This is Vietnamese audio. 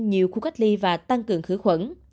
nhiều khu cách ly và tăng cường khử khuẩn